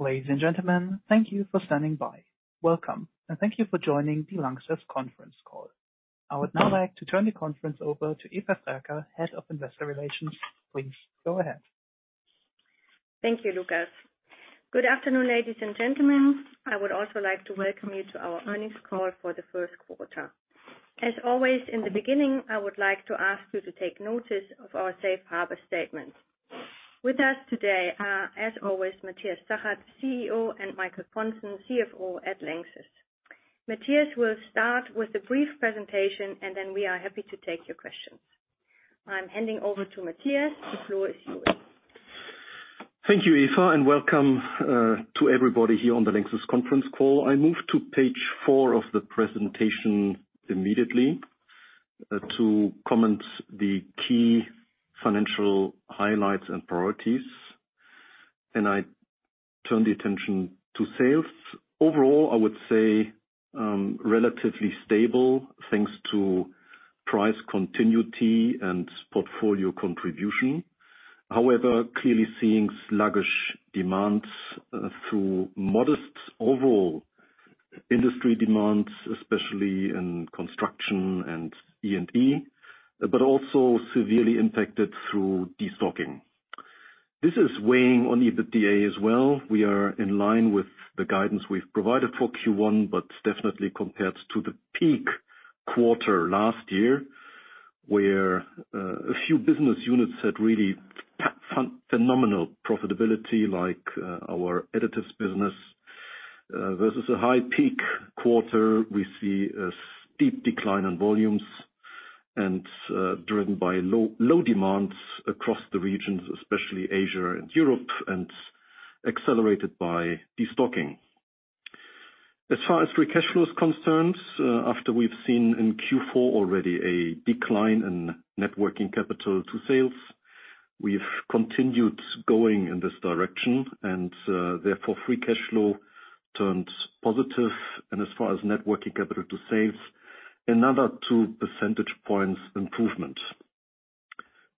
Ladies and gentlemen, thank you for standing by. Welcome, and thank you for joining the LANXESS conference call. I would now like to turn the conference over to Eva Frerker, Head of Investor Relations. Please go ahead. Thank you, Lucas. Good afternoon, ladies and gentlemen. I would also like to welcome you to our earnings call for the first quarter. As always, in the beginning, I would like to ask you to take notice of our safe harbor statement. With us today are, as always, Matthias Zachert, CEO, and Michael Pontzen, CFO at LANXESS. Matthias will start with a brief presentation, and then we are happy to take your questions. I'm handing over to Matthias. The floor is yours. Thank you, Eva, welcome to everybody here on the LANXESS conference call. I move to page four of the presentation immediately to comment the key financial highlights and priorities. I turn the attention to sales. Overall, I would say, relatively stable, thanks to price continuity and portfolio contribution. However, clearly seeing sluggish demand through modest overall industry demands, especially in construction and E&E. Also severely impacted through destocking. This is weighing on EBITDA as well. We are in line with the guidance we've provided for first quarter, but definitely compared to the peak quarter last year, where a few business units had really phenomenal profitability, like our additives business. Versus a high peak quarter, we see a steep decline in volumes and driven by low demands across the regions, especially Asia and Europe, and accelerated by destocking. As far as free cash flow is concerned, after we've seen in fourth quarter already a decline in net working capital to sales, we've continued going in this direction and, therefore, free cash flow turned positive. As far as net working capital to sales, another two-percentage points improvement.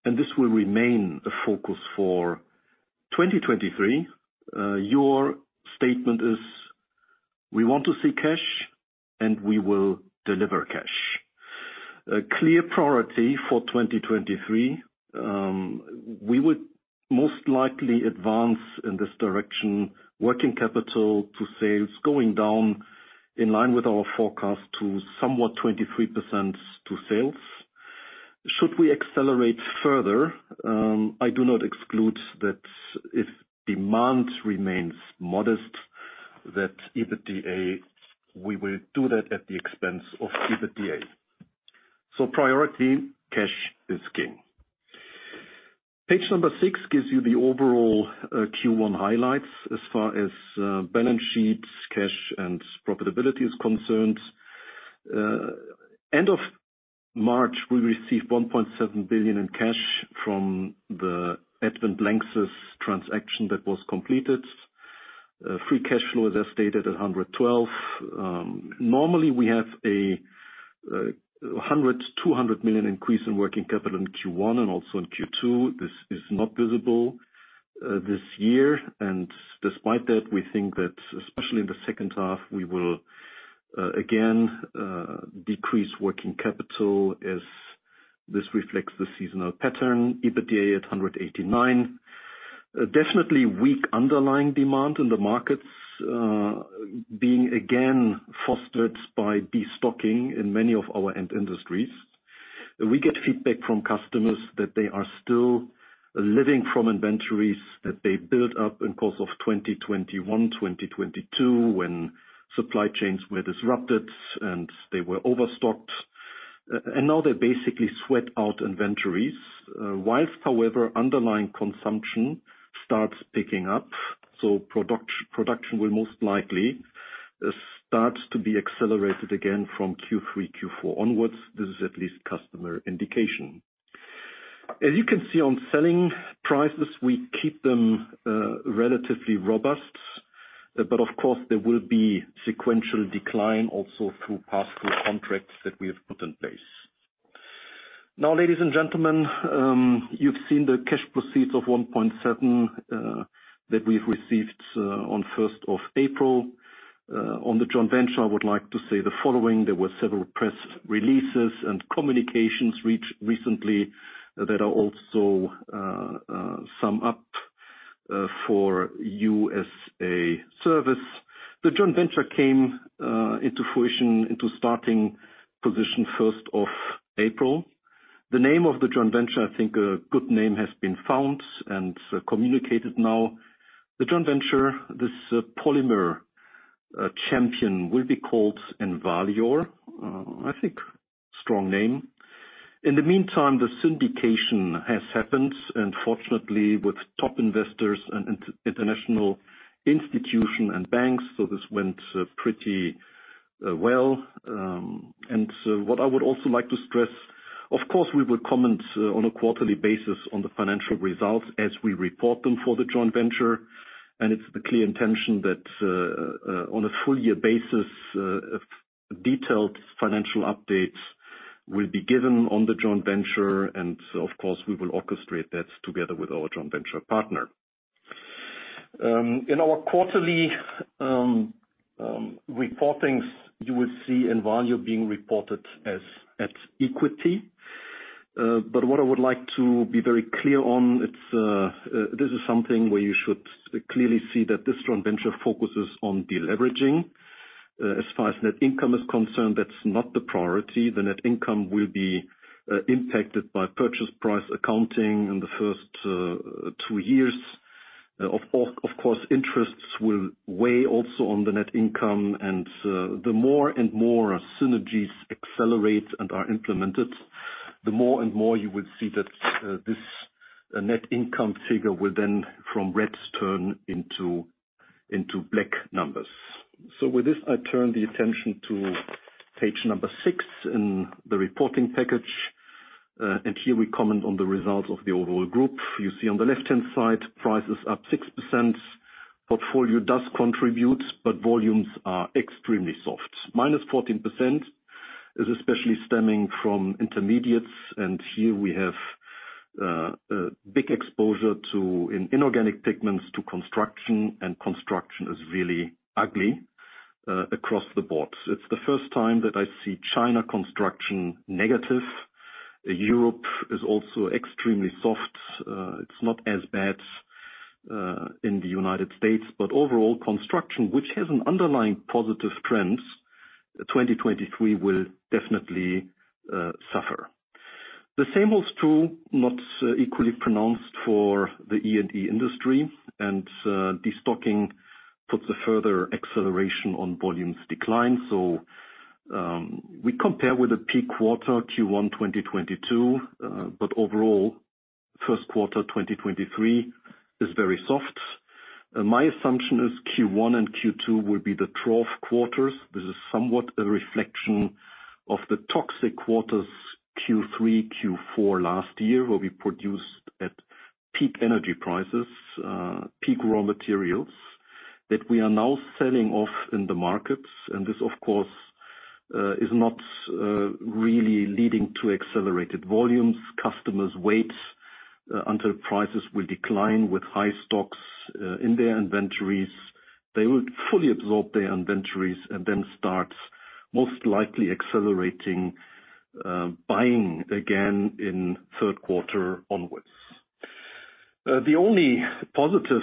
This will remain a focus for 2023. Your statement is, we want to see cash, and we will deliver cash. A clear priority for 2023, we would most likely advance in this direction, working capital to sales going down in line with our forecast to somewhat 23% to sales. Should we accelerate further, I do not exclude that if demand remains modest, that EBITDA, we will do that at the expense of EBITDA. Priority, cash is king. Page number six gives you the overall first quarter highlights as far as balance sheets, cash and profitability is concerned. End of March, we received 1.7 billion in cash from the Advent LANXESS transaction that was completed. Free cash flow, as I stated, at 112 million. Normally we have a 100 to 200 million increase in working capital in first quarter and also in second quarter. This is not visible this year. Despite that, we think that especially in the second half, we will again decrease working capital as this reflects the seasonal pattern. EBITDA at 189 million. Definitely weak underlying demand in the markets, being again fostered by destocking in many of our end industries. We get feedback from customers that they are still living from inventories that they built up in course of 2021, 2022, when supply chains were disrupted and they were overstocked. Now they basically sweat out inventories. Whilst however, underlying consumption starts picking up, so production will most likely start to be accelerated again from third quarter, fourth quarter onwards. This is at least customer indication. As you can see on selling prices, we keep them relatively robust, but of course there will be sequential decline also through pass-through contracts that we have put in place. Ladies and gentlemen, you've seen the cash proceeds of 1.7 billion that we've received on 1 April 2023. On the joint venture, I would like to say the following. There were several press releases and communications reach recently that I'll also sum up for you as a service. The joint venture came into fruition into starting position 1 April 2023. The name of the joint venture, I think a good name has been found and communicated now. The joint venture, this polymer champion, will be called Envalior. I think strong name. In the meantime, the syndication has happened, fortunately, with top investors and international institution and banks, this went pretty well. What I would also like to stress, of course, we will comment on a quarterly basis on the financial results as we report them for the joint venture. It's the clear intention that on a full year basis, detailed financial updates will be given on the joint venture and of course, we will orchestrate that together with our joint venture partner. In our quarterly reportings, you will see Envalior being reported as at equity. What I would like to be very clear on, it's, this is something where you should clearly see that this joint venture focuses on deleveraging. As far as net income is concerned, that's not the priority. The net income will be impacted by purchase price accounting in the first two years. Of course, interests will weigh also on the net income and the more and more synergies accelerate and are implemented, the more and more you will see that this net income figure will then from reds turn into black numbers. With this, I turn the attention to page six in the reporting package. Here we comment on the results of the overall group. You see on the left-hand side; price is up 6%. Portfolio does contribute, but volumes are extremely soft. -14% is especially stemming from intermediates. Here we have big exposure to inorganic pigments to construction, and construction is really ugly across the board. It's the first time that I see China construction negative. Europe is also extremely soft. It's not as bad in the United States. Overall construction, which has an underlying positive trends, 2023 will definitely suffer. The same holds true, not equally pronounced for the E&E industry. Destocking puts a further acceleration on volumes decline. We compare with the peak quarter first quarter 2022. Overall, first quarter 2023 is very soft. My assumption is first quarter and second quarter will be the trough quarters. This is somewhat a reflection of the toxic quarters third quarter, fourth quarter last year, where we produced at peak energy prices, peak raw materials that we are now selling off in the markets. This, of course, is not really leading to accelerated volumes. Customers wait until prices will decline with high stocks in their inventories. They will fully absorb their inventories and then start most likely accelerating buying again in third quarter onwards. The only positive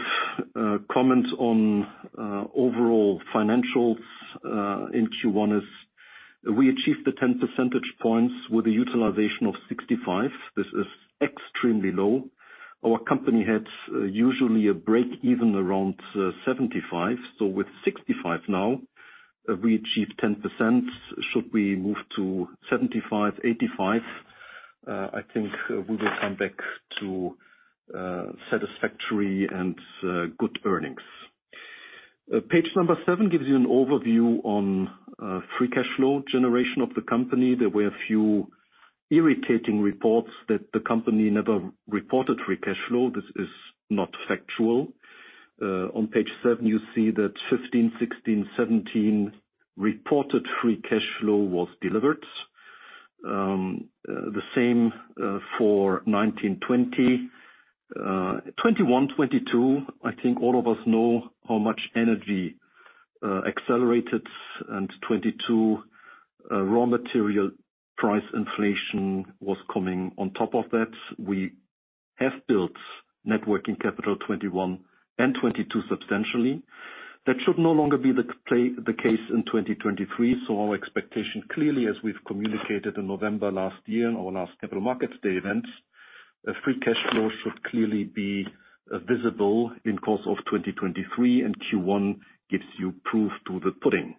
comment on overall financials in first quarter is we achieved the 10 percentage points with a utilization of 65%. This is extremely low. Our company had usually a break-even around 75%. With 65% now, we achieved 10%. Should we move to 75%, 85%, I think we will come back to satisfactory and good earnings. Page number seven gives you an overview on free cash flow generation of the company. There were a few irritating reports that the company never reported free cash flow. This is not factual. On page seven, you see that 15%, 16%, 17% reported free cash flow was delivered. The same for 19%, 20%. 2021, 2022, I think all of us know how much energy accelerated and 2022 raw material price inflation was coming on top of that. We have built net working capital 2021 and 2022 substantially. That should no longer be the case in 2023. Our expectation, clearly, as we've communicated in November last year in our last capital markets day event, free cash flow should clearly be visible in course of 2023, and first quarter gives you proof to the pudding.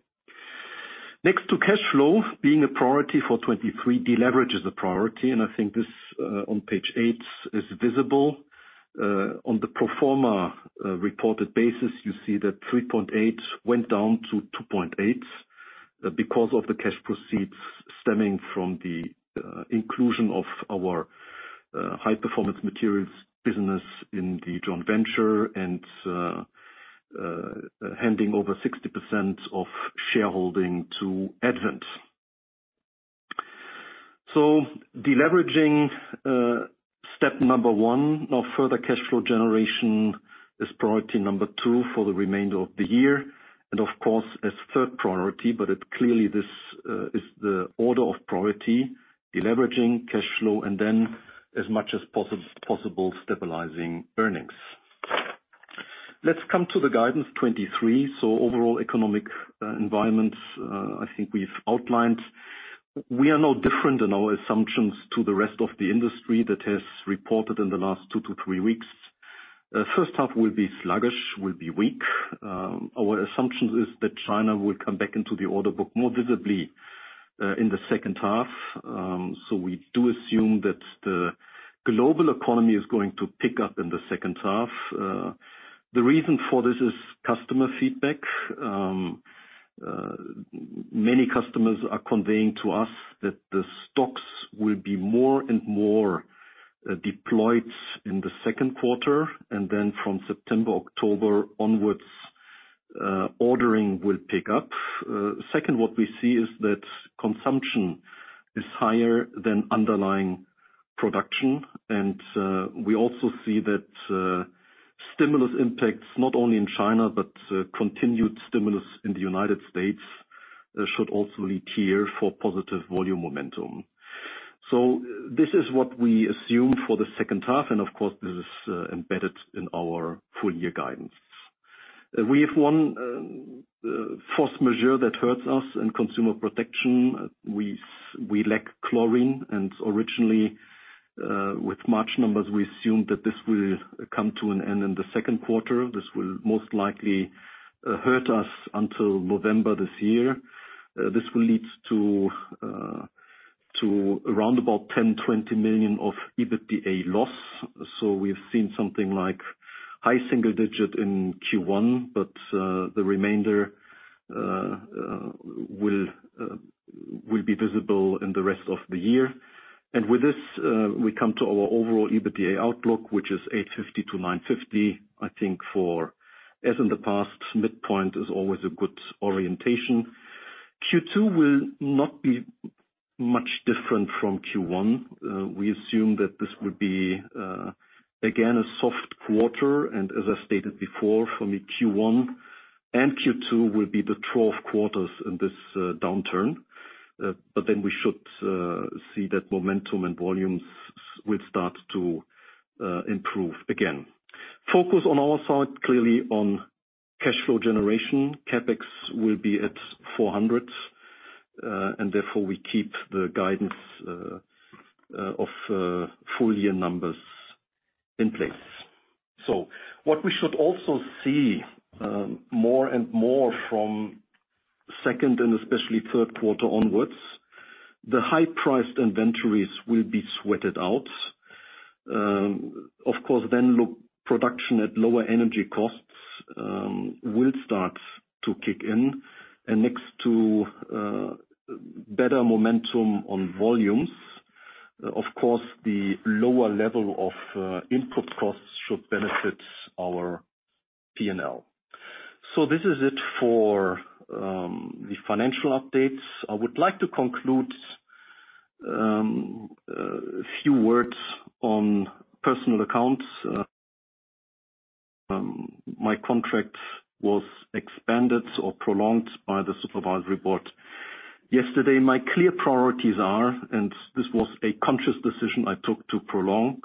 Next to cash flow being a priority for 2023, deleverage is a priority, and I think this on page eight is visible. On the pro forma reported basis, you see that 3.8% went down to 2.8% because of the cash proceeds stemming from the inclusion of our High-Performance Materials business in the joint venture and handing over 60% of shareholding to Advent. Deleveraging step number one of further cash flow generation is priority number two for the remainder of the year. Of course, as third priority, but clearly this is the order of priority, deleveraging cash flow, and then as much as possible, stabilizing earnings. Let's come to the guidance 2023. Overall economic environment, I think we've outlined. We are no different in our assumptions to the rest of the industry that has reported in the last two to three weeks. First half will be sluggish, will be weak. Our assumption is that China will come back into the order book more visibly in the second half. We do assume that the global economy is going to pick up in the second half. The reason for this is customer feedback. Many customers are conveying to us that the stocks will be more and more deployed in the second quarter, and then from September, October onwards, ordering will pick up. Second, what we see is that consumption is higher than underlying production. We also see that stimulus impacts, not only in China, but continued stimulus in the United States should also lead here for positive volume momentum. This is what we assume for the second half and of course this is embedded in our full year guidance. We have one force majeure that hurts us in consumer protection. We lack chlorine originally, with March numbers we assumed that this will come to an end in the second quarter. This will most likely hurt us until November this year. This will leads to around about 10 to 20 million of EBITDA loss. We've seen something like high single digit in first quarter, the remainder will be visible in the rest of the year. With this, we come to our overall EBITDA outlook, which is 850 to 950 million. I think as in the past, midpoint is always a good orientation. second quarter will not be much different from first quarter. We assume that this will be again, a soft quarter. As I stated before, for me first quarter and second quarter will be the 12 quarters in this downturn. We should see that momentum and volumes will start to improve again. Focus on our side, clearly on cash flow generation. CapEx will be at 400 million, and therefore we keep the guidance of full year numbers in place. What we should also see, more and more from second and especially third quarter onwards, the high-priced inventories will be sweated out. Of course, then low production at lower energy costs will start to kick in and next to better momentum on volumes. Of course, the lower level of input costs should benefit our P&L. This is it for the financial updates. I would like to conclude a few words on personal accounts. My contract was expanded or prolonged by the supervisory board yesterday. My clear priorities are. This was a conscious decision I took to prolong.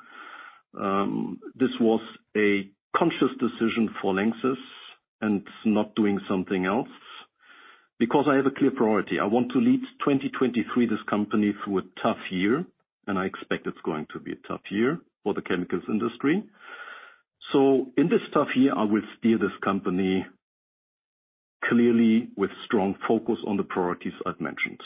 This was a conscious decision for LANXESS and not doing something else because I have a clear priority. I want to lead 2023 this company through a tough year, and I expect it's going to be a tough year for the chemicals industry. In this tough year, I will steer this company clearly with strong focus on the priorities I've mentioned.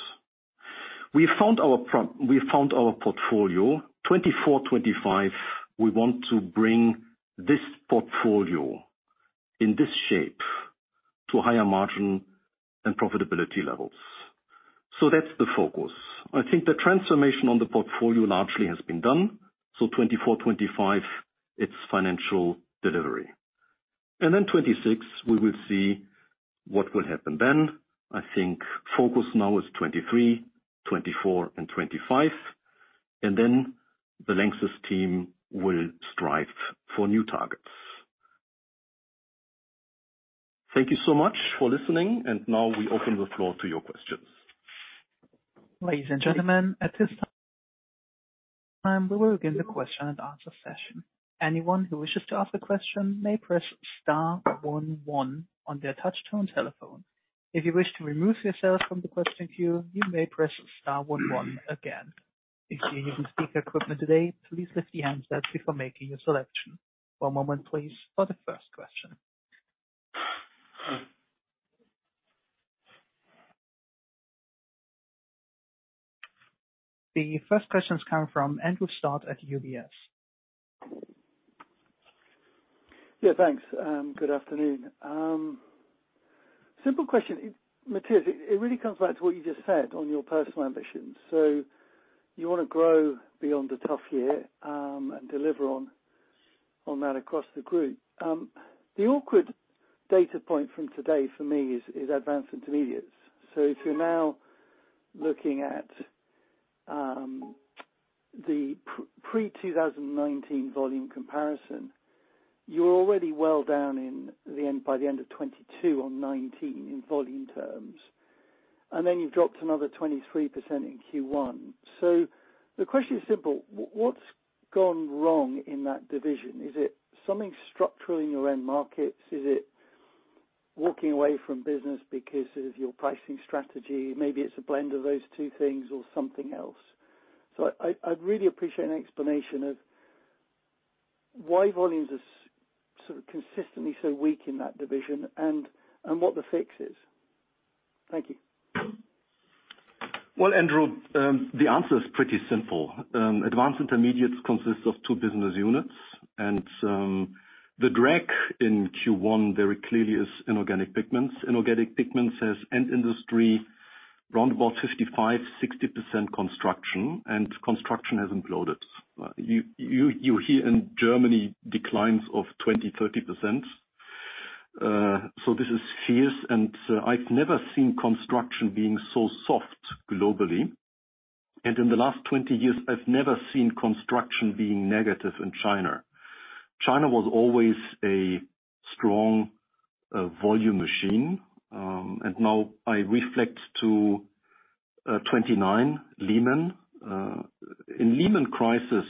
We found our portfolio. 2024, 2025, we want to bring this portfolio in this shape to higher margin and profitability levels. That's the focus. I think the transformation on the portfolio largely has been done. 2024, 2025, it's financial delivery. Then 2026 we will see what will happen then. I think focus now is 2023, 2024 and 2025 and then the LANXESS team will strive for new targets. Thank you so much for listening and now we open the floor to your questions. Ladies and gentlemen, at this time, we will begin the question-and-answer session. Anyone who wishes to ask a question may press star one, one on their touchtone telephone. If you wish to remove yourself from the question queue, you may press star one, one again. If you're using speaker equipment today, please lift the handsets before making a selection. One moment please for the first question. The first question comes from Andrew Stott at UBS. Thanks. Good afternoon. Simple question. Matthias, it really comes back to what you just said on your personal ambitions. You wanna grow beyond a tough year and deliver on that across the group. The awkward data point from today for me is Advanced Intermediates. If you're now looking at the pre-2019 volume comparison, you're already well down in the end, by the end of 2022 on 19% in volume terms, and then you've dropped another 23% in first quarter. The question is simple, what's gone wrong in that division? Is it something structural in your end markets? Is it walking away from business because of your pricing strategy? Maybe it's a blend of those two things or something else. I'd really appreciate an explanation of why volumes are sort of consistently so weak in that division and what the fix is. Thank you. Well, Andrew, the answer is pretty simple. Advanced Intermediates consists of two business units, and the drag in first quarter very clearly is inorganic pigments. Inorganic pigments has end industry around 55% to 60% construction. Construction has imploded. You hear in Germany declines of 20% to 30%. This is fierce. I've never seen construction being so soft globally. In the last 20 years, I've never seen construction being negative in China. China was always a strong volume machine. Now I reflect to 2009, Lehman. In Lehman crisis,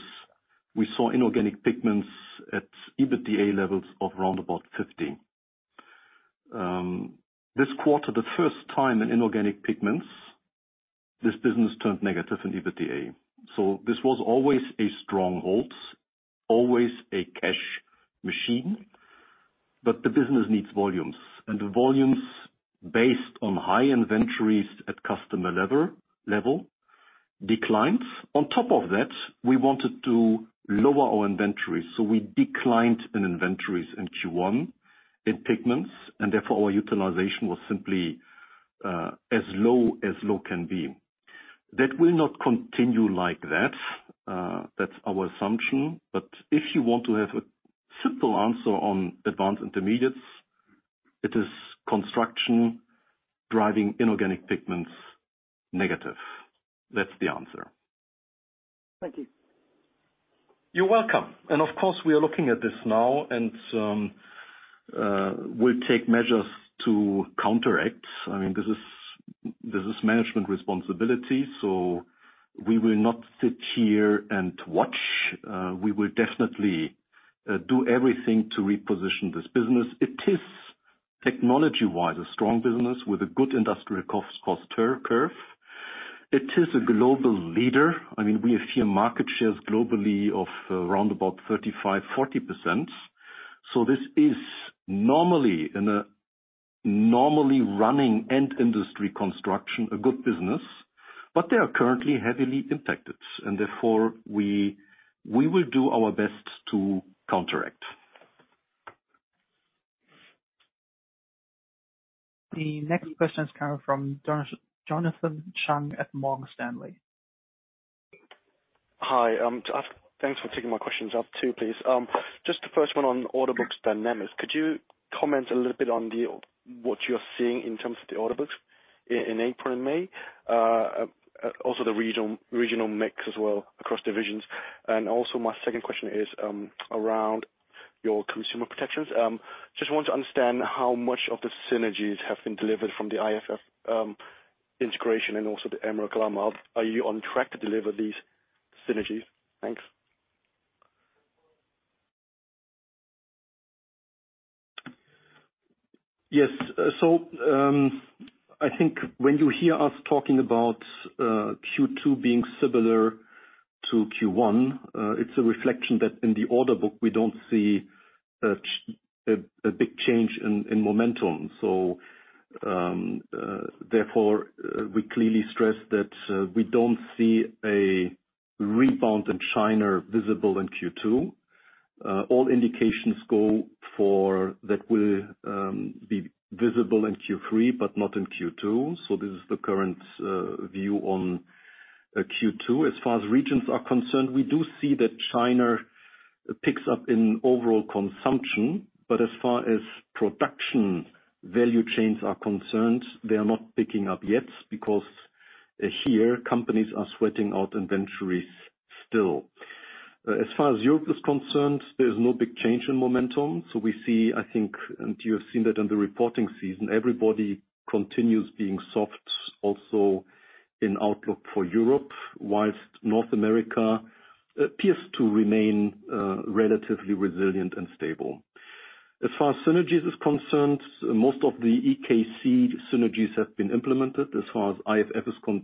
we saw inorganic pigments at EBITDA levels of around 50%. This quarter, the first time in inorganic pigments, this business turned negative in EBITDA. This was always a strongholds, always a cash machine, but the business needs volumes. The volumes based on high inventories at customer level declines. On top of that, we wanted to lower our inventory, so we declined in inventories in first quarter in pigments, and therefore, our utilization was simply as low as low can be. That will not continue like that's our assumption. If you want to have a simple answer on advanced intermediates, it is construction driving inorganic pigments negative. That's the answer. Thank you. You're welcome. Of course, we are looking at this now and we'll take measures to counteract. I mean, this is, this is management responsibility, we will not sit here and watch. We will definitely do everything to reposition this business. It is technology-wise, a strong business with a good industrial cost curve. It is a global leader. I mean, we have here market shares globally of around about 35%, 40%. This is normally in a normally running end industry construction, a good business. They are currently heavily impacted. Therefore, we will do our best to counteract. The next question is coming from Jonathan Chung at Morgan Stanley. Hi. Thanks for taking my questions. Up two, please. Just the first one on order books dynamics. Could you comment a little bit on what you're seeing in terms of the order books in April and May? Also the regional mix as well across divisions. Also my second question is around your consumer protection. Just want to understand how much of the synergies have been delivered from the IFF integration and also the Emerald Kalama. Are you on track to deliver these synergies? Thanks. Yes. I think when you hear us talking about second quarter being similar to first quarter, it's a reflection that in the order book we don't see a big change in momentum. Therefore, we clearly stress that we don't see a rebound in China visible in second quarter. All indications go for that will be visible in third quarter, but not in second quarter. This is the current view on second quarter. As far as regions are concerned, we do see that China picks up in overall consumption, but as far as production value chains are concerned, they are not picking up yet because here companies are sweating out inventories still. As far as Europe is concerned, there's no big change in momentum. We see, I think, and you have seen that in the reporting season, everybody continues being soft also in outlook for Europe, whilst North America appears to remain relatively resilient and stable. As far as synergies is concerned, most of the EKC synergies have been implemented. As far as IFF is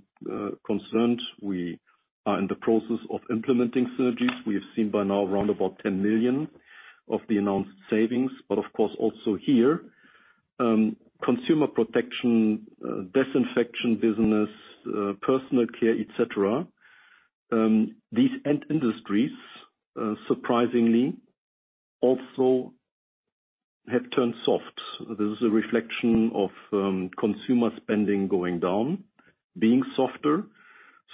concerned, we are in the process of implementing synergies. We have seen by now around about 10 million of the announced savings. Of course, also here, Consumer Protection, disinfection business, personal care, et cetera, these end industries, surprisingly also have turned soft. This is a reflection of consumer spending going down, being softer.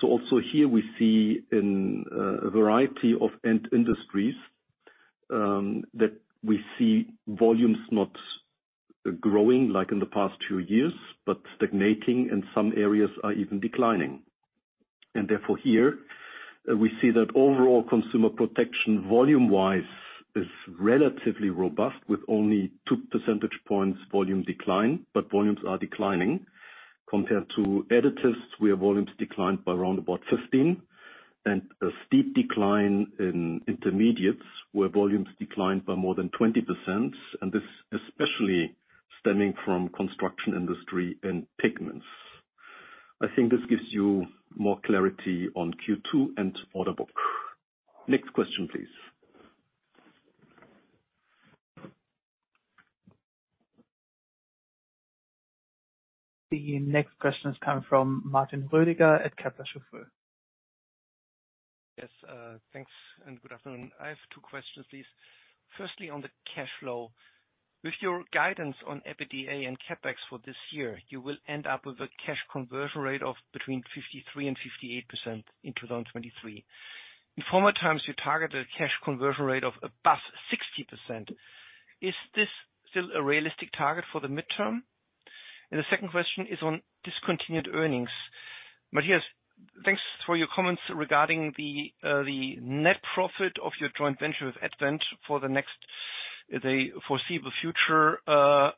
Also, here we see in a variety of end industries that we see volumes not growing like in the past two years, but stagnating, and some areas are even declining. Therefore here, we see that overall Consumer Protection volume-wise is relatively robust with only two percentage points volume decline, but volumes are declining. Compared to additives, where volumes declined by around about 15%, and a steep decline in Intermediates, where volumes declined by more than 20%, and this especially stemming from construction industry and Pigments. I think this gives you more clarity on second quarter and order book. Next question, please. The next question is coming from Martin Roediger at Kepler Cheuvreux. Thanks and good afternoon. I have two questions, please. Firstly, on the cash flow. With your guidance on EBITDA and CapEx for this year, you will end up with a cash conversion rate of between 53% and 58% in 2023. In former times, you targeted a cash conversion rate of above 60%. Is this still a realistic target for the midterm? The second question is on discontinued earnings. Matthias, thanks for your comments regarding the net profit of your joint venture with Advent for the next, the foreseeable future,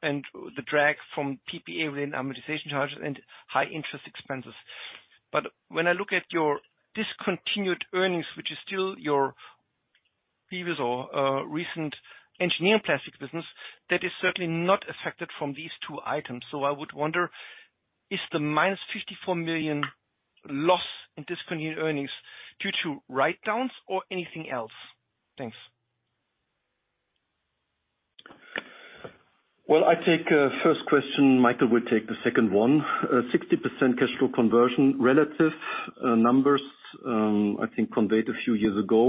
and the drag from PPA-related amortization charges and high interest expenses. When I look at your discontinued earnings, which is still your previous or recent engineering plastics business, that is certainly not affected from these two items. I would wonder, is the -54 million loss in discontinued earnings due to write-downs or anything else? Thanks. I take first question. Michael will take the second one. 60% cash flow conversion, relative numbers, I think conveyed a few years ago.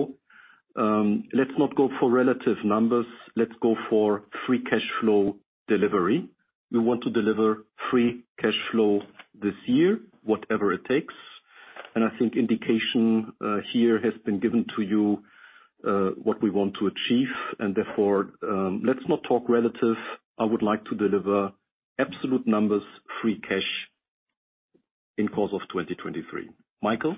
Let's not go for relative numbers, let's go for free cash flow delivery. We want to deliver free cash flow this year, whatever it takes. I think indication here has been given to you what we want to achieve and therefore, let's not talk relative. I would like to deliver absolute numbers, free cash in course of 2023. Michael?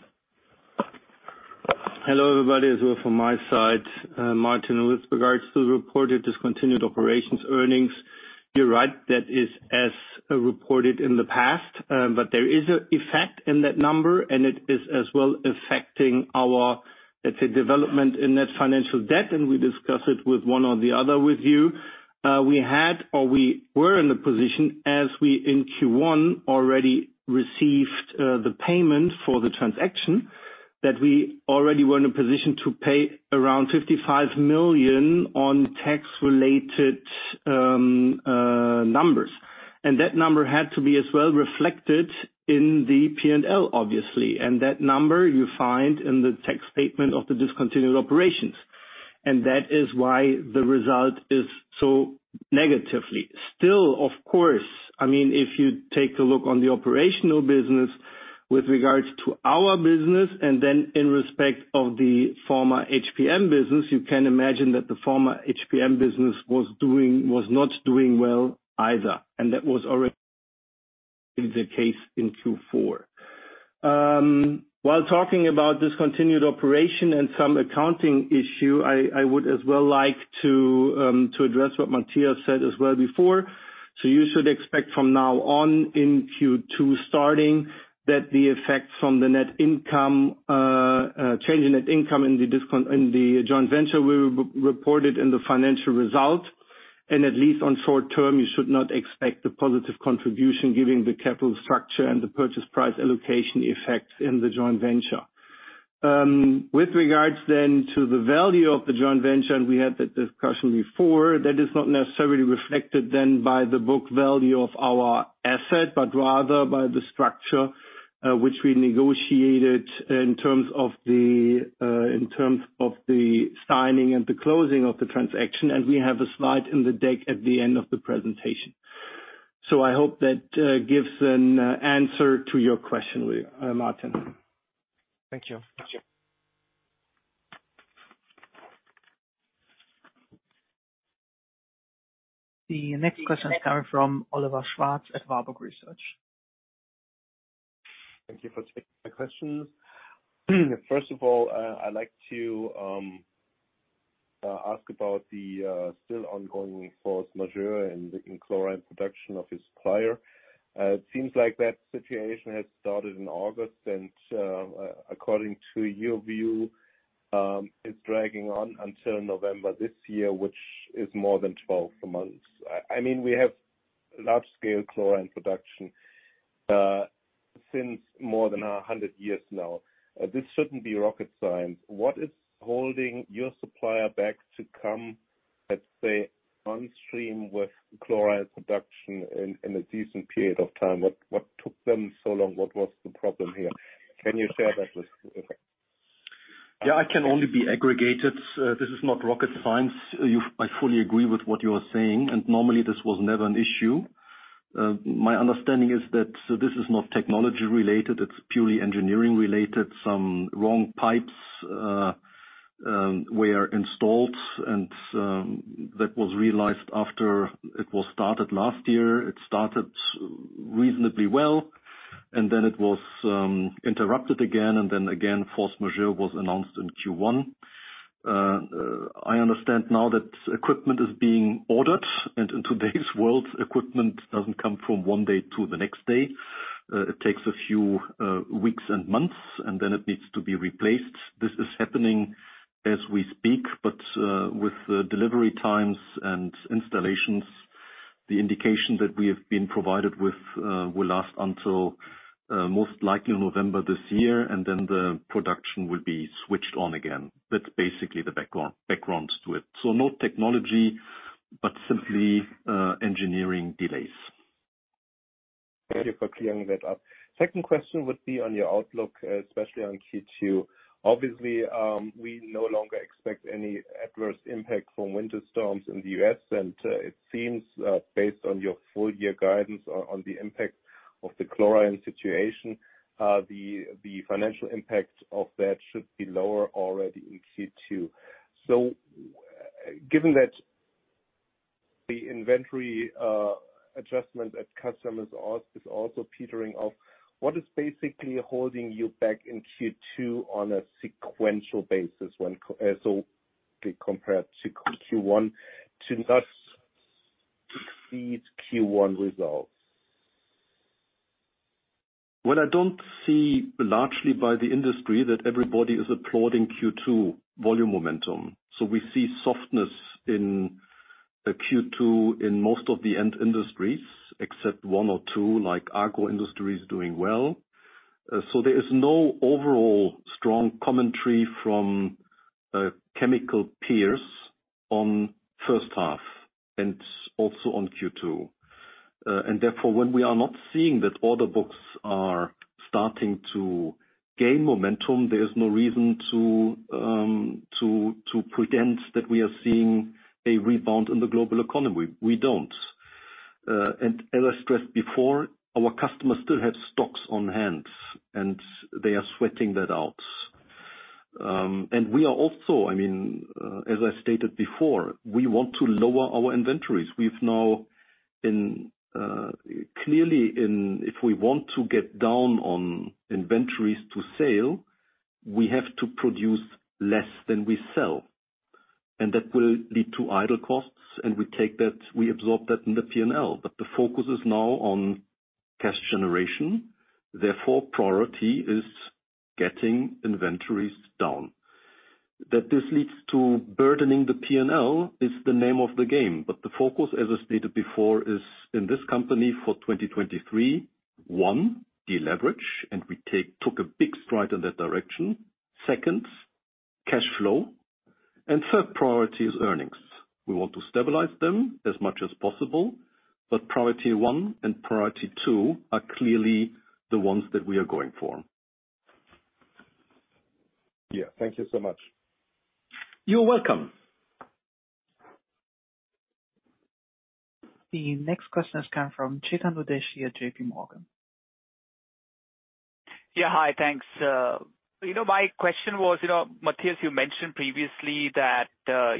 Hello, everybody, as well from my side, Michael Pontzen. With regards to the reported discontinued operations earnings, you're right, that is as reported in the past. There is an effect in that number, and it is as well affecting our, let's say, development in net financial debt, and we discuss it with one or the other with you. We had or we were in a position as we in first quarter already received the payment for the transaction, that we already were in a position to pay around 55 million on tax-related numbers. That number had to be as well reflected in the P&L, obviously. That number you find in the tax statement of the discontinued operations. That is why the result is so negatively. Still, of course, I mean, if you take a look on the operational business with regards to our business and then in respect of the former HPM business, you can imagine that the former HPM business was not doing well either. That was already the case in fourth quarter. While talking about discontinued operation and some accounting issue, I would as well like to address what Matthias said as well before. You should expect from now on in second quarter starting that the effects from the net income change in net income in the joint venture will be reported in the financial result. At least on short term, you should not expect a positive contribution giving the capital structure and the purchase price allocation effects in the joint venture. With regards then to the value of the joint venture, and we had that discussion before, that is not necessarily reflected then by the book value of our asset, but rather by the structure which we negotiated in terms of the signing and the closing of the transaction. We have a slide in the deck at the end of the presentation. I hope that gives an answer to your question, Martin. Thank you. Thank you. The next question is coming from Oliver Schwarz at Warburg Research. Thank you for taking my questions. First of all, I'd like to ask about the still ongoing force majeure in the chlorine production of your supplier. It seems like that situation has started in August and, according to your view, it's dragging on until November this year, which is more than 12 months. I mean, we have large scale chlorine production since more than 100 years now. This shouldn't be rocket science. What is holding your supplier back to come, let's say, on stream with chlorine production in a decent period of time? What took them so long? What was the problem here? Can you share that with us? I can only be aggregated. This is not rocket science. I fully agree with what you are saying. Normally this was never an issue. My understanding is that this is not technology related, it's purely engineering related. Some wrong pipes were installed. That was realized after it was started last year. It started reasonably well. Then it was interrupted again. Then again, force majeure was announced in first quarter. I understand now that equipment is being ordered. In today's world, equipment doesn't come from one day to the next day. It takes a few weeks and months. Then it needs to be replaced. This is happening as we speak, but, with the delivery times and installations, the indication that we have been provided with, will last until, most likely November this year, and then the production will be switched on again. That's basically the background to it. No technology, but simply, engineering delays. Thank you for clearing that up. Second question would be on your outlook, especially on second quarter. Obviously, we no longer expect any adverse impact from winter storms in the US. It seems, based on your full year guidance on the impact of the chlorine situation, the financial impact of that should be lower already in second quarter. Given that the inventory adjustment at customers also petering off, what is basically holding you back in second quarter on a sequential basis when compared to first quarter to not exceed first quarter results? I don't see largely by the industry that everybody is applauding second quarter volume momentum. We see softness in second quarter in most of the end industries, except one or two, like Agro industry is doing well. There is no overall strong commentary from chemical peers on first half and also on second quarter. Therefore, when we are not seeing that order books are starting to gain momentum, there is no reason to pretend that we are seeing a rebound in the global economy. We don't. As I stressed before, our customers still have stocks on hand, and they are sweating that out. We are also, I mean, as I stated before, we want to lower our inventories. We've now in clearly if we want to get down on inventories to sale, we have to produce less than we sell. That will lead to idle costs, and we take that, we absorb that in the P&L. The focus is now on cash generation; therefore, priority is getting inventories down. That this leads to burdening the P&L is the name of the game. The focus, as I stated before, is in this company for 2023, one, deleverage, and took a big stride in that direction. Second, cash flow, and third priority is earnings. We want to stabilize them as much as possible, but priority one and priority two are clearly the ones that we are going for. Yeah. Thank you so much. You're welcome. The next question has come from Chetan Udeshi at JPMorgan. Yeah. Hi, thanks. You know, my question was, you know, Matthias, you mentioned previously that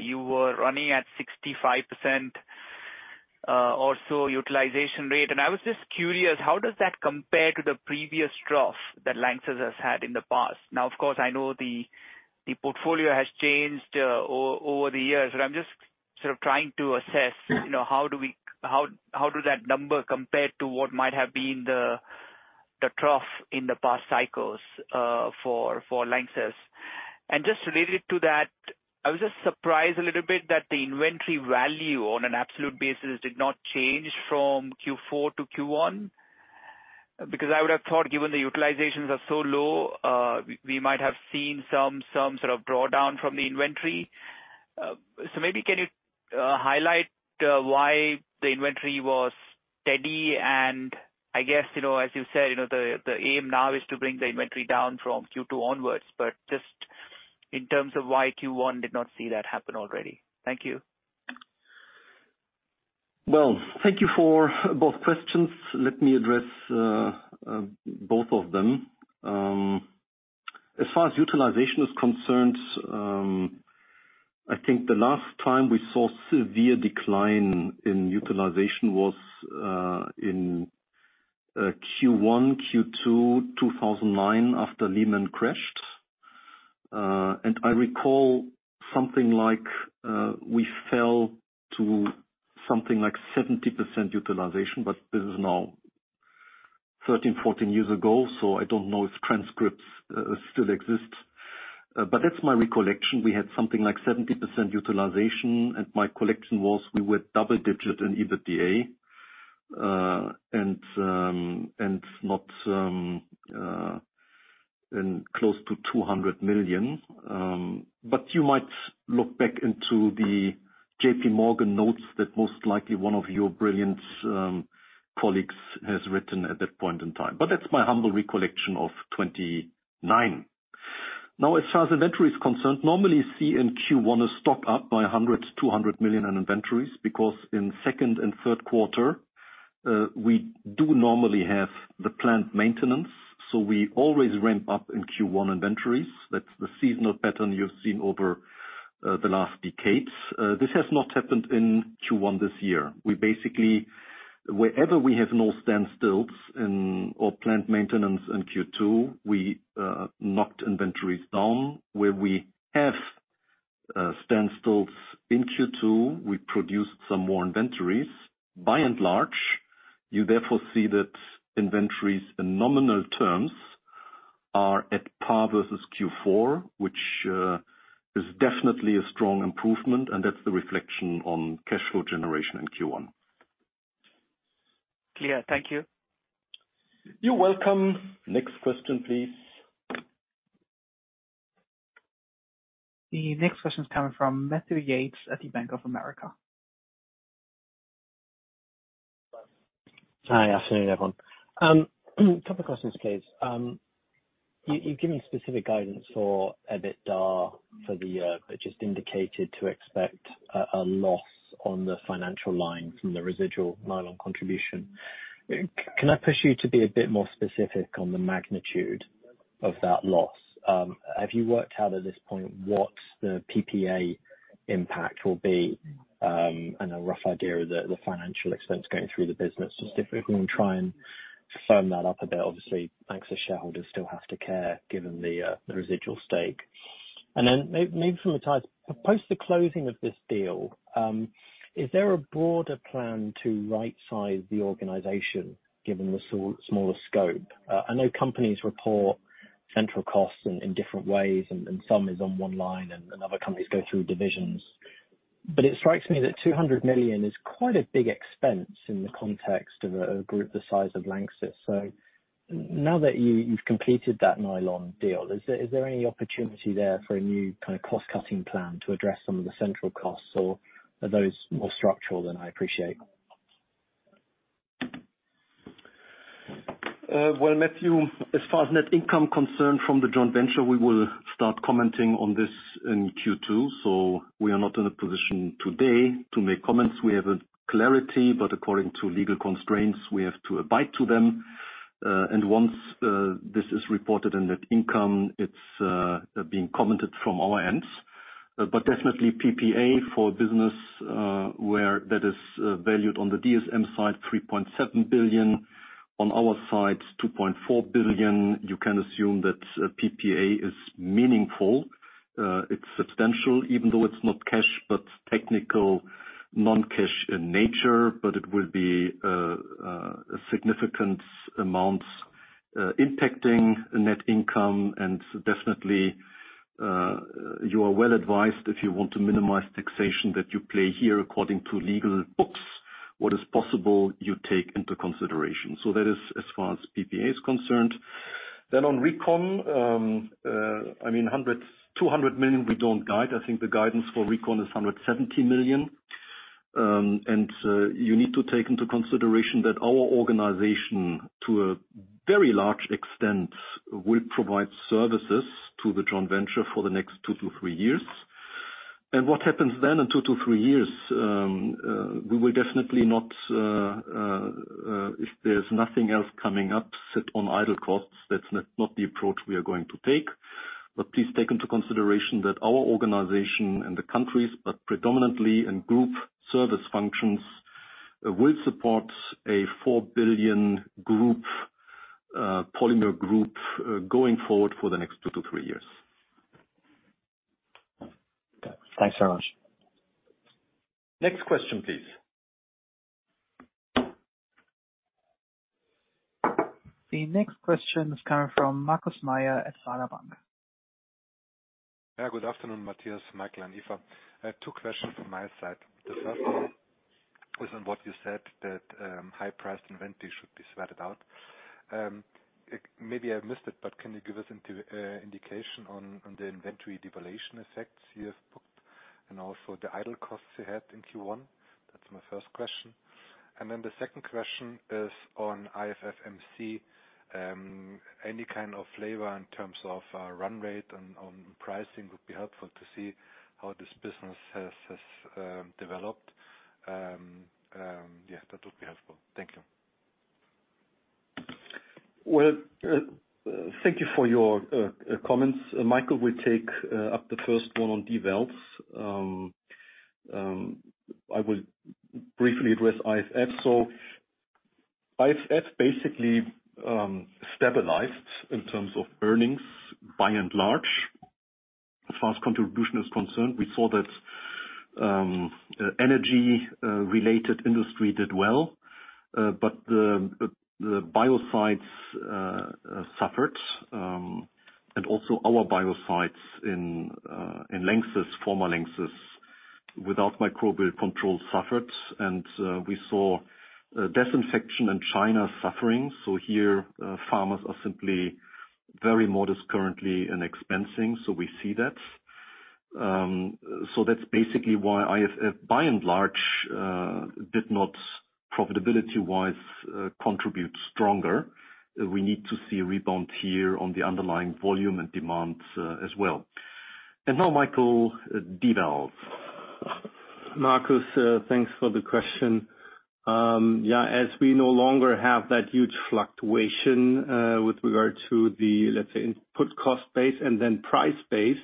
you were running at 65% or so utilization rate, and I was just curious, how does that compare to the previous trough that LANXESS has had in the past? Now, of course, I know the portfolio has changed over the years, but I'm just sort of trying to assess, you know, how does that number compare to what might have been the trough in the past cycles for LANXESS? Just related to that, I was just surprised a little bit that the inventory value on an absolute basis did not change from fourth quarter to first quarter. I would have thought, given the utilizations are so low, we might have seen some sort of drawdown from the inventory. Maybe can you highlight why the inventory was steady? I guess, you know, as you said, you know, the aim now is to bring the inventory down from second quarter onwards, but just in terms of why first quarter did not see that happen already. Thank you. Well, thank you for both questions. Let me address both of them. As far as utilization is concerned, I think the last time we saw severe decline in utilization was in first quarter, second quarter 2009 after Lehman crashed. I recall something like we fell to something like 70% utilization, but this is now 13, 14 years ago, so I don't know if transcripts still exist. That's my recollection. We had something like 70% utilization, my collection was we were double-digit in EBITDA, not in close to 200 million. You might look back into the JPMorgan notes that most likely one of your brilliant colleagues has written at that point in time. That's my humble recollection of 2009. As far as inventory is concerned, normally see in first quarter a stock up by 100 million, 200 million in inventories because in second and third quarter, we do normally have the plant maintenance, so we always ramp up in first quarter inventories. That's the seasonal pattern you've seen over the last decades. This has not happened in first quarter this year. We basically, wherever we have no standstills in or plant maintenance in second quarter, we knocked inventories down. Where we have standstills in second quarter, we produced some more inventories. By and large, you therefore see that inventories in nominal terms are at par versus fourth quarter, which is definitely a strong improvement, and that's the reflection on cash flow generation in first quarter. Clear. Thank you. You're welcome. Next question, please. The next question is coming from Matthew Yates at the Bank of America. Hi, good afternoon, everyone. Couple questions, please. You've given specific guidance for EBITDA for the year, but just indicated to expect a loss on the financial line from the residual nylon contribution. Can I push you to be a bit more specific on the magnitude of that loss? Have you worked out at this point what the PPA impact will be, and a rough idea of the financial expense going through the business? Just if we can try and firm that up a bit. Obviously, LANXESS shareholders still have to care given the residual stake. Then maybe from the ties. Post the closing of this deal, is there a broader plan to right-size the organization given the smaller scope? I know companies report central costs in different ways, and some is on one line and other companies go through divisions. It strikes me that 200 million is quite a big expense in the context of a group the size of LANXESS. Now that you've completed that nylon deal, is there any opportunity there for a new kind of cost-cutting plan to address some of the central costs, or are those more structural than I appreciate? Well, Matthew, as far as net income concerned from the joint venture, we will start commenting on this in second quarter. We are not in a position today to make comments. We have a clarity, but according to legal constraints, we have to abide to them. Once this is reported in net income, it's being commented from our ends. Definitely PPA for business where that is valued on the DSM side, 3.7 billion. On our side, 2.4 billion. You can assume that PPA is meaningful. It's substantial, even though it's not cash, but technical non-cash in nature. It will be a significant amount impacting net income and definitely, you are well advised if you want to minimize taxation that you play here according to legal books. What is possible, you take into consideration. That is as far as PPA is concerned. On recon, I mean, 100 to 200 million we don't guide. I think the guidance for recon is 170 million. You need to take into consideration that our organization, to a very large extent, will provide services to the joint venture for the next two to three years. What happens then in two to three years, we will definitely not, if there's nothing else coming up, sit on idle costs. That's not the approach we are going to take. Please take into consideration that our organization and the countries, but predominantly in group service functions, will support a 4 billion group, polymer group, going forward for the next two to three years. Okay. Thanks very much. Next question, please. The next question is coming from Markus Mayer at Baader Bank. Good afternoon, Matthias, Michael, and Eva. I have two questions from my side. The first one is on what you said that high-priced inventory should be sweated out. Maybe I missed it, but can you give us indication on the inventory devaluation effects you have booked and also the idle costs you had in first quarter? That's my first question. Then the second question is on IFF MC, any kind of flavor in terms of run rate on pricing would be helpful to see how this business has developed. Yeah, that would be helpful. Thank you. Well, thank you for your comments. Michael will take up the first one on devals. I will briefly address IFF. IFF basically stabilized in terms of earnings by and large. As far as contribution is concerned, we saw that energy related industry did well, but the biocides suffered, and also our biocides in LANXESS, former LANXESS, without microbial control, suffered. We saw disinfection in China suffering. Here, farmers are simply very modest currently in expensing, so we see that. That's basically why IFF, by and large, did not profitability-wise contribute stronger. We need to see a rebound here on the underlying volume and demand as well. Now, Michael, devals. Markus, thanks for the question. Yeah, as we no longer have that huge fluctuation, with regard to the, let's say, input cost base and then price base,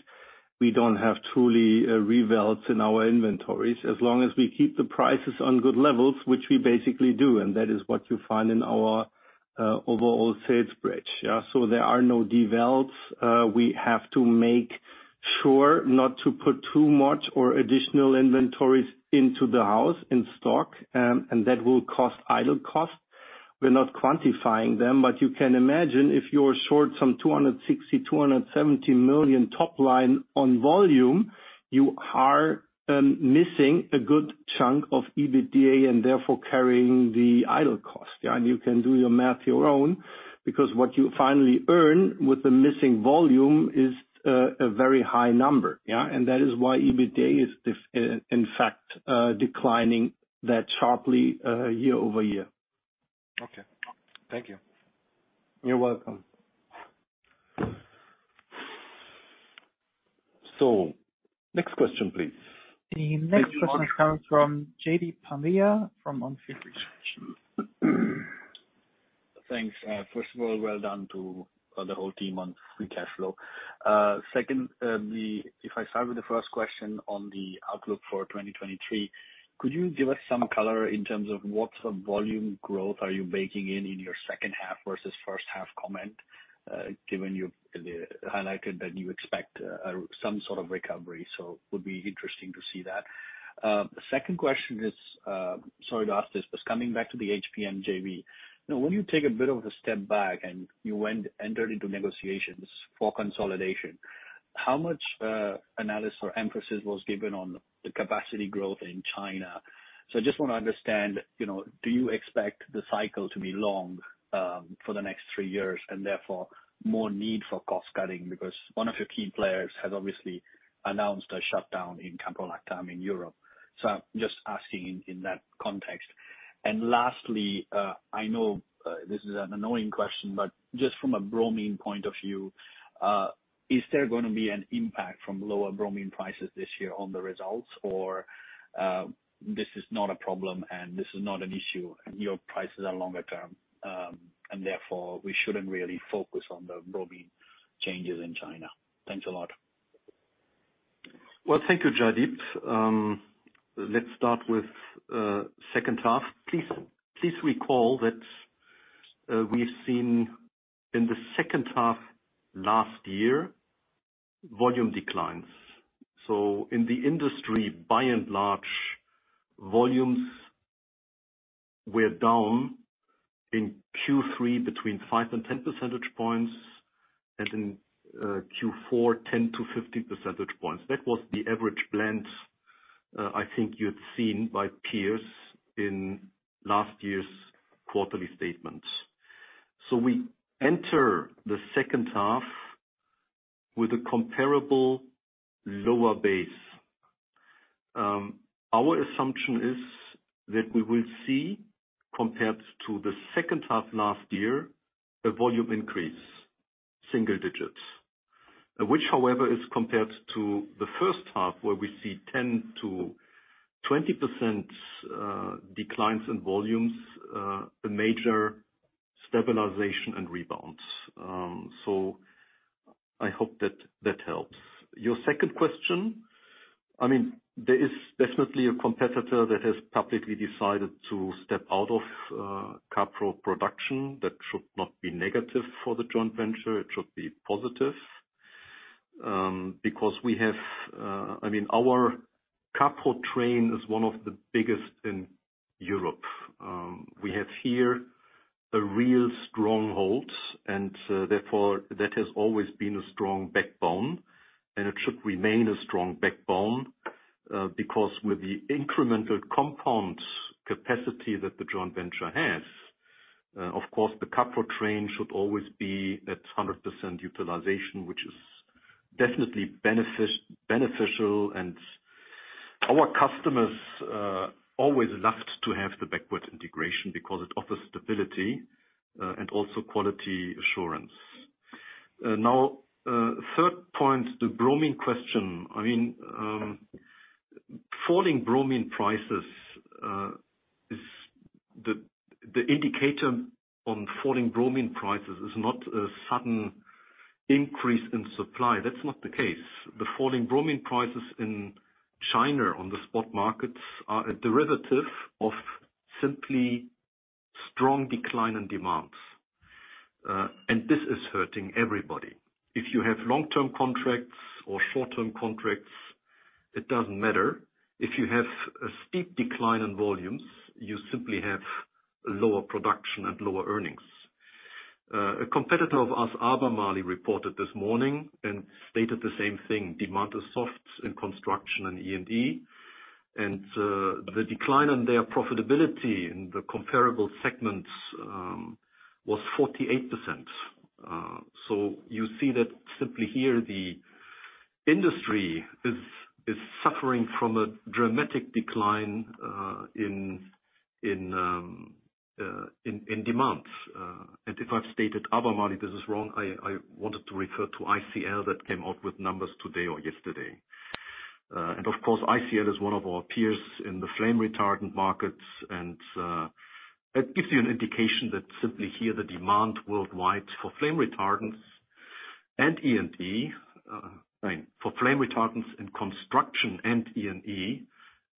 we don't have truly revels in our inventories. As long as we keep the prices on good levels, which we basically do, and that is what you find in our overall sales bridge. Yeah, there are no devals. We have to make sure not to put too much or additional inventories into the house in stock, and that will cost idle costs. We're not quantifying them, but you can imagine if you're short some 260 to 270 million top line on volume. You are missing a good chunk of EBITDA and therefore carrying the idle cost, yeah. You can do your math your own, because what you finally earn with the missing volume is a very high number, yeah. That is why EBITDA is in fact, declining that sharply, year over year. Okay. Thank you. You're welcome. Next question, please. The next question comes from Jaideep Taneja from ONFIELD Research. Thanks. First of all, well done to the whole team on free cashflow. Second, if I start with the first question on the outlook for 2023, could you give us some color in terms of what volume growth are you baking in your second half versus first half comment, given you've highlighted that you expect some sort of recovery? Would be interesting to see that. The second question is, sorry to ask this, but coming back to the HPM JV. Now, when you take a bit of a step back and you entered into negotiations for consolidation, how much analysis or emphasis was given on the capacity growth in China? I just wanna understand, you know, do you expect the cycle to be long for the next three years, and therefore more need for cost-cutting? One of your key players has obviously announced a shutdown in caprolactam in Europe. I'm just asking in that context. Lastly, I know this is an annoying question, but just from a bromine point of view, is there gonna be an impact from lower bromine prices this year on the results? This is not a problem and this is not an issue and your prices are longer term, and therefore we shouldn't really focus on the bromine changes in China. Thanks a lot. Well, thank you, Jaideep. Let's start with second half. Please recall that we've seen in the second half last year volume declines. In the industry, by and large, volumes were down in third quarter between five and 10 percentage points, and in fourth quarter, 10 to 15 percentage points. That was the average blend I think you've seen by peers in last year's quarterly statements. We enter the second half with a comparable lower base. Our assumption is that we will see, compared to the second half last year, a volume increase, single digits. Which, however, is compared to the first half, where we see 10% to 20% declines in volumes, a major stabilization and rebound. I hope that helps. Your second question. I mean, there is definitely a competitor that has publicly decided to step out of caprol production. That should not be negative for the joint venture. It should be positive. Because we have, I mean, our caprol train is one of the biggest in Europe. We have here a real stronghold, and therefore that has always been a strong backbone, and it should remain a strong backbone. Because with the incremental compound capacity that the joint venture has, of course, the caprol train should always be at 100% utilization, which is definitely beneficial. Our customers always loved to have the backward integration because it offers stability and also quality assurance. Now, third point, the bromine question. I mean, falling bromine prices is the indicator on falling bromine prices is not a sudden increase in supply. That's not the case. The falling bromine prices in China on the spot markets are a derivative of simply strong decline in demand. This is hurting everybody. If you have long-term contracts or short-term contracts, it doesn't matter. If you have a steep decline in volumes, you simply have lower production and lower earnings. A competitor of us, Albemarle, reported this morning and stated the same thing. Demand is soft in construction and E&E. The decline on their profitability in the comparable segments was 48%. You see that simply here the industry is suffering from a dramatic decline in demand. If I've stated Albemarle, this is wrong. I wanted to refer to ICL that came out with numbers today or yesterday. Of course, ICL is one of our peers in the flame retardants markets. It gives you an indication that simply here the demand worldwide for flame retardants and E&E, sorry. For flame retardants in construction and E&E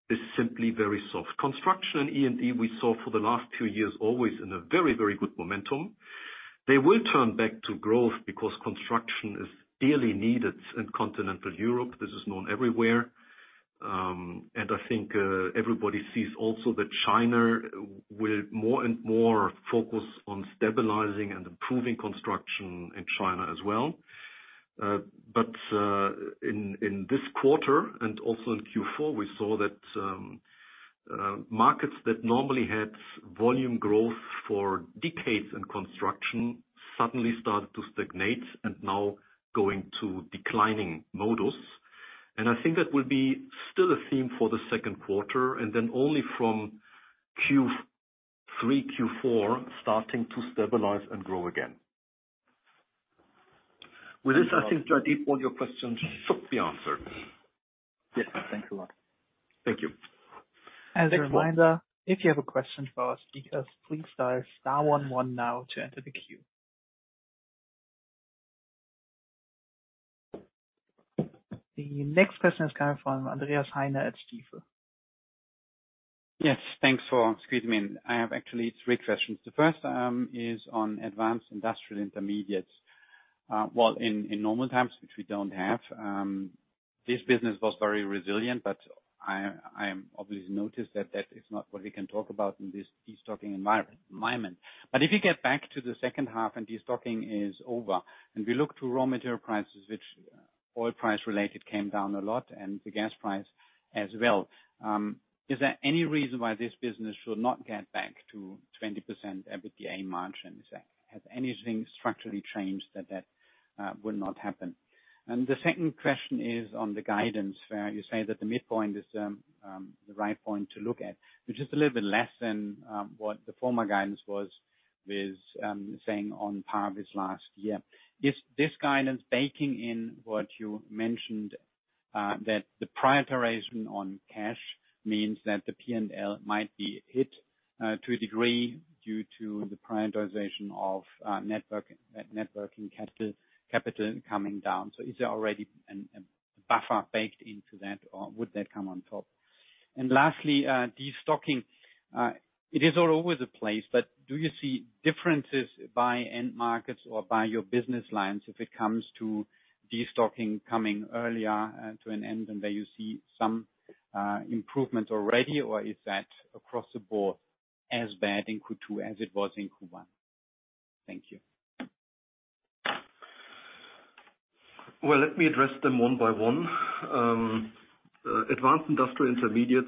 is simply very soft. Construction and E&E we saw for the last two years always in a very, very good momentum. They will turn back to growth because construction is dearly needed in continental Europe. This is known everywhere. I think, everybody sees also that China will more and more focus on stabilizing and improving construction in China as well. In this quarter and also in fourth quarter, we saw that markets that normally had volume growth for decades in construction suddenly started to stagnate and now going to declining modus. I think that will be still a theme for the second quarter, and then only from third quarter, fourth quarter, starting to stabilize and grow again. With this, I think, Jaideep, all your questions should be answered. Yes. Thanks a lot. Thank you. As a reminder, if you have a question for our speakers, please dial star one one now to enter the queue. The next question is coming from Andreas Heine at Stifel. Yes. Thanks for squeezing me in. I have actually three questions. The first is on Advanced Industrial Intermediates. Well, in normal times, which we don't have, this business was very resilient, but I am obviously noticed that that is not what we can talk about in this destocking environment. If you get back to the second half and destocking is over, and we look to raw material prices, which oil price related came down a lot and the gas price as well, is there any reason why this business should not get back to 20% EBITDA margin? Has anything structurally changed that would not happen? The second question is on the guidance, where you say that the midpoint is the right point to look at. Which is a little bit less than what the former guidance was with saying on par with last year. Is this guidance baking in what you mentioned that the prioritization on cash means that the P&L might be hit to a degree due to the prioritization of networking capital coming down. Is there already a buffer baked into that or would that come on top? Lastly, destocking. It is all over the place, but do you see differences by end markets or by your business lines if it comes to destocking coming earlier to an end and where you see some improvement already, or is that across the board as bad in second quarter as it was in first quarter? Thank you. Well, let me address them one by one. Advanced Intermediates,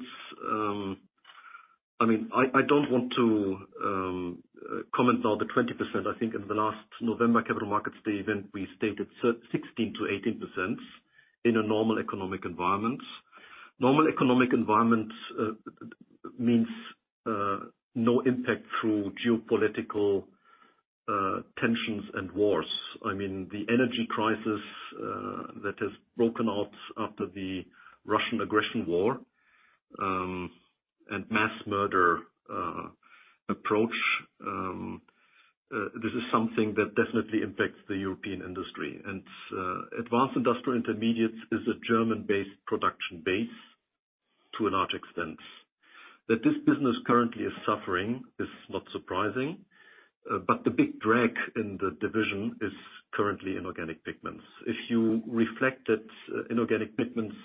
I mean, I don't want to comment on the 20%. I think in the last November capital market statement, we stated 16% to 18% in a normal economic environment. Normal economic environment means no impact through geopolitical tensions and wars. I mean, the energy crisis that has broken out after the Russian aggression war and mass murder approach, this is something that definitely impacts the European industry. Advanced Intermediates is a German-based production base to a large extent. That this business currently is suffering is not surprising, but the big drag in the division is currently inorganic pigments. If you reflect that inorganic pigments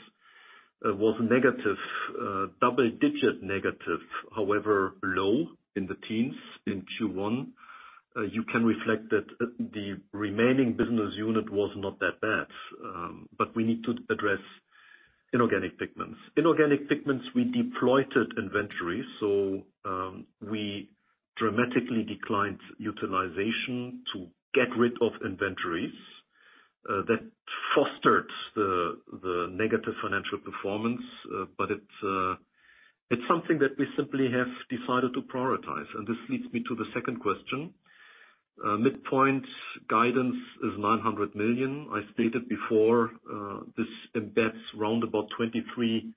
was negative, double-digit negative, however low in the teens in first quarter, you can reflect that the remaining business unit was not that bad. We need to address inorganic pigments. Inorganic pigments, we deployed it inventory. We dramatically declined utilization to get rid of inventories that fostered the negative financial performance. It's something that we simply have decided to prioritize. This leads me to the second question. Midpoint guidance is 900 million. I stated before, this embeds round about 23%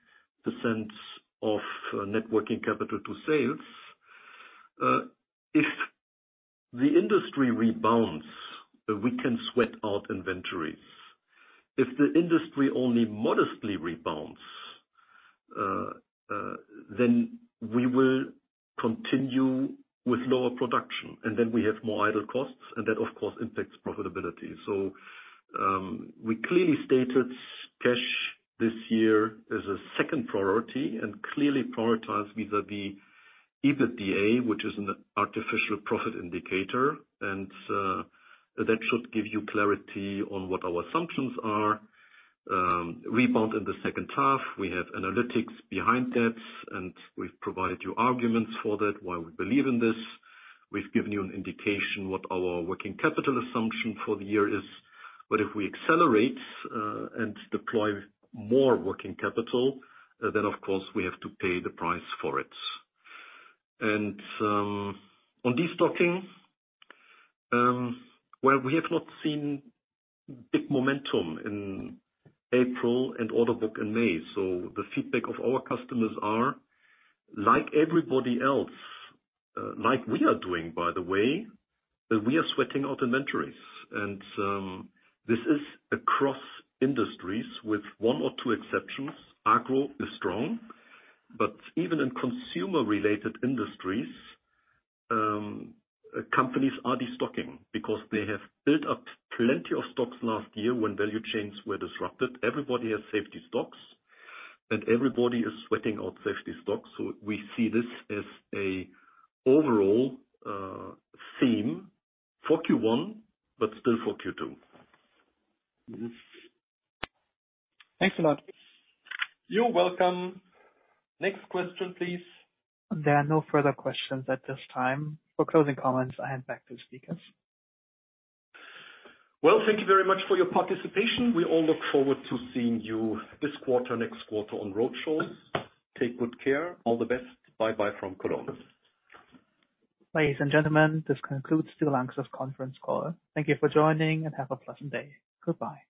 of net working capital to sales. If the industry rebounds, we can sweat out inventories. If the industry only modestly rebounds, then we will continue with lower production, and then we have more idle costs, and that, of course, impacts profitability. We clearly stated cash this year is a second priority and clearly prioritize vis-a-vis EBITDA, which is an artificial profit indicator and that should give you clarity on what our assumptions are. Rebound in the second half. We have analytics behind that, and we've provided you arguments for that, why we believe in this. We've given you an indication what our working capital assumption for the year is. If we accelerate and deploy more working capital, then of course we have to pay the price for it. Well, on destocking, we have not seen big momentum in April and order book in May. The feedback of our customers are like everybody else, like we are doing by the way, that we are sweating out inventories. This is across industries with one or two exceptions. Agro is strong, even in consumer-related industries, companies are destocking because they have built up plenty of stocks last year when value chains were disrupted. Everybody has safety stocks and everybody is sweating out safety stocks. We see this as an overall theme for first quarter, but still for second quarter. Thanks a lot. You're welcome. Next question, please. There are no further questions at this time. For closing comments, I hand back to the speakers. Well, thank you very much for your participation. We all look forward to seeing you this quarter, next quarter on road shows. Take good care. All the best. Bye-bye from Cologne. Ladies and gentlemen, this concludes the LANXESS conference call. Thank you for joining, and have a pleasant day. Goodbye.